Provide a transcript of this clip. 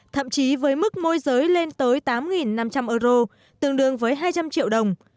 thậm chí với mức môi giới lên tới tám năm trăm linh euro tương đương với hai trăm linh triệu đồng